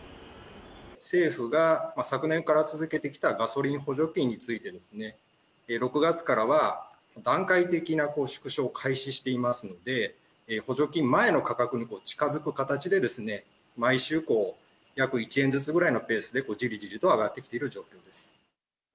政府が昨年から続けてきたガソリン補助金について、６月からは、段階的な縮小を開始していますので、補助金前の価格に近づく形で、毎週、約１円ぐらいのペースで、じりじりと上がってきている状況です。